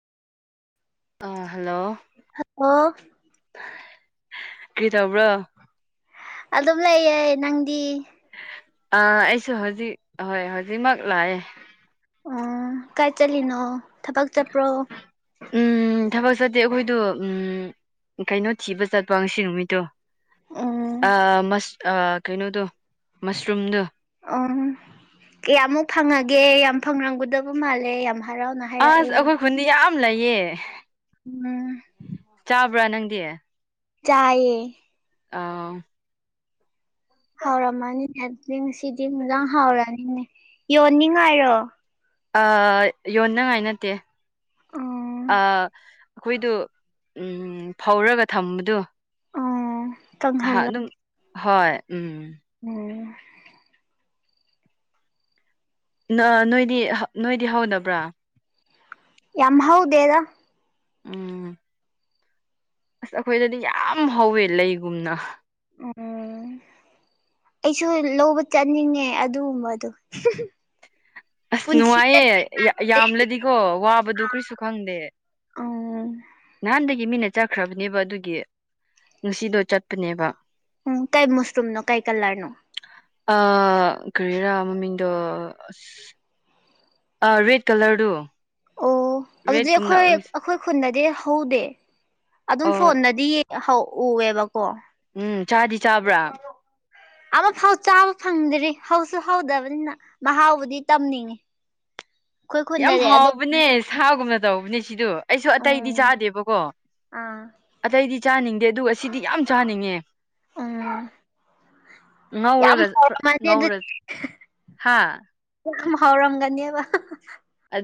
ꯑꯥ hello ꯑꯣ ꯀꯔꯤ ꯇꯧꯕ꯭ꯔꯣ? ꯑꯗꯨꯝ ꯂꯩꯌꯦ ꯅꯪꯗꯤ꯫ ꯑ ꯑꯩꯁꯨ ꯍꯧꯖꯤꯛ ꯍꯣꯏ ꯍꯧꯖꯤꯛꯃꯛ ꯂꯥꯛꯑꯦ꯫ ꯑꯣ ꯀꯥꯏ ꯆꯠꯂꯤꯅꯣ ꯊꯕꯛ ꯆꯠꯄ꯭ꯔꯣ? ꯎꯝ ꯊꯕꯛ ꯆꯠꯇꯦ ꯑꯈꯣꯏꯗꯨ ꯎꯝ ꯀꯩꯅꯣ ꯊꯤꯕ ꯆꯠꯄ ꯉꯁꯤ ꯅꯨꯃꯤꯠꯇꯣ ꯎꯝ ꯑꯥ ꯃꯁ ꯑ ꯀꯩꯅꯣꯗꯣ ꯃꯁꯔꯨꯝꯗꯣ꯫ ꯑꯣ ꯀꯌꯥꯃꯨꯛ ꯐꯪꯉꯒꯦ ꯌꯥꯝ ꯐꯪꯔꯝꯒꯗꯕ ꯃꯥꯜꯂꯦ ꯌꯥꯝ ꯍꯔꯥꯎꯅ ꯑꯁ ꯍꯥꯏꯔꯛꯑꯦ ꯑꯈꯣꯏ ꯈꯨꯟꯗꯤ ꯌꯥꯝ ꯂꯩꯌꯦ꯫ ꯎꯝ ꯆꯥꯕ꯭ꯔꯥ ꯅꯪꯗꯤ꯫ ꯥꯆꯥꯏꯌꯦ꯫ ꯑꯣ ꯍꯥꯎꯔꯝꯃꯅꯤꯅꯦ ꯑꯗꯨꯗꯤ ꯉꯁꯤꯗꯤ ꯍꯤꯟꯖꯥꯡ ꯍꯥꯎꯔꯅꯤꯅꯦ ꯌꯣꯟꯅꯤꯡꯉꯥꯏꯔꯣ ꯑꯥ ꯌꯣꯟꯅꯉꯥꯏ ꯅꯠꯇꯦ ꯎꯝ ꯑꯥ ꯑꯈꯣꯏꯗꯣ ꯎꯝ ꯐꯧꯔꯒ ꯊꯝꯕꯗꯣ꯫ [inaudible] ꯑꯍꯥ ꯑꯗꯨꯝ ꯍꯣꯏ ꯎꯝ ꯎꯝ ꯅꯍꯥ ꯅꯣꯏꯗꯤ ꯍ ꯅꯣꯏꯗꯤ ꯍꯧꯗꯕ꯭ꯔꯥ? ꯌꯥꯝ ꯍꯧꯗꯦꯗꯥ꯫ ꯎꯝ ꯑꯁ ꯑꯈꯣꯏꯗꯗꯤ ꯌꯥꯝ ꯍꯧꯋꯦ ꯂꯩꯒꯨꯝꯅ꯫ ꯎꯪ ꯑꯩꯁꯨ ꯂꯧꯕ ꯆꯠꯅꯤꯡꯉꯦ ꯑꯗꯨꯒꯨꯝꯕꯗꯨ [unintelligible] ꯑꯁ ꯅꯨꯡꯉꯥꯏꯌꯦ ꯌꯥ ꯊꯤꯔꯦ ꯌꯥꯝꯂꯗꯤꯀꯣ ꯋꯥꯕꯗꯣ ꯀꯔꯤꯁꯨ ꯈꯪꯗꯦ꯫ ꯎꯪ ꯅꯍꯥꯟꯗꯒꯤ ꯃꯤꯅ ꯆꯠꯈ꯭ꯔꯕꯅꯦꯕ ꯑꯗꯨꯒꯤ ꯉꯁꯤꯗꯣ ꯆꯠꯄꯅꯦꯕ꯫ ꯎꯝ ꯀꯩ ꯃꯁ꯭ꯔꯨꯨꯝꯅꯣ ꯀꯩ ꯀꯂꯔꯅꯣ? ꯑ ꯀꯔꯤꯔꯥ ꯃꯃꯤꯡꯗꯣ ꯑꯁ ꯑꯥ ꯔꯦꯠ ꯀꯂꯔꯗꯨ꯫ ꯑꯣ ꯑꯗꯨꯗꯤ ꯔꯦꯠꯀꯨꯝꯅ ꯑꯈꯣꯏ ꯑꯈꯣꯏ ꯈꯨꯟꯗꯗꯤ ꯍꯧꯗꯦ꯫ ꯑꯗꯨꯝ ꯑꯣ ꯐꯣꯟꯗꯗꯤ ꯌꯦ ꯍꯧ ꯎꯋꯦꯕꯀꯣ ꯎꯝ ꯆꯥꯗꯤ ꯆꯥꯕ꯭ꯔꯥ? ꯑꯃꯐꯥꯎ ꯆꯥꯕ ꯐꯪꯗ꯭ꯔꯤ ꯍꯧꯁꯨ ꯍꯧꯗꯕꯅꯤꯅ ꯃꯍꯥꯎꯕꯨꯗꯤ ꯇꯝꯅꯤꯡꯉꯤ꯫ ꯑꯈꯣꯏ ꯈꯨꯟꯗꯥꯗꯤꯑꯗꯣ꯫ ꯊꯥꯎꯒꯨꯝꯅ ꯇꯧꯕꯅꯦ ꯁꯤꯗꯨ ꯑꯩꯁꯨ ꯑꯇꯩꯗꯤ ꯎꯝ ꯆꯥꯗꯦꯕꯀꯣ ꯑꯥ ꯑꯇꯩꯗꯤ ꯆꯥꯅꯤꯡꯗꯦ ꯑꯗꯨꯒ ꯁꯤꯗꯤ ꯌꯥꯝ ꯆꯥꯅꯤꯡꯉꯦ꯫ ꯎꯝ ꯌꯥꯝ ꯉꯧꯔꯒ ꯍꯥꯎꯔꯝꯃꯥꯅꯤ ꯉꯧꯔ ꯑꯗꯨꯗꯤ ꯍꯥ ꯌꯥꯝ ꯍꯥꯎꯔꯝꯒꯅꯦꯕ ꯍꯥ ꯍꯥ